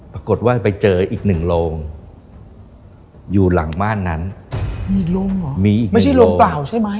ปรากฏว่าไปเจออีกหนึ่งโรงอยู่หลังบ้านนั้นมีโรงเหรอมีอีกไม่ใช่โรงเปล่าใช่ไหม